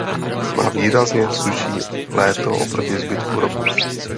Má výrazně sušší léto oproti zbytku roku.